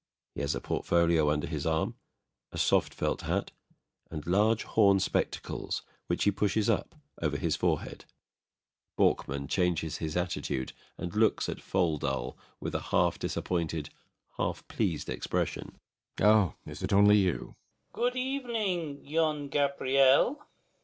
He has a portfolio under his arm, a soft felt hat, and large horn spectacles, which he pushes up over his forehead. BORKMAN. [Changes his attitude and looks at FOLDAL with a half disappointed, half pleased expression.] Oh, is it only you? FOLDAL. Good evening, John Gabriel.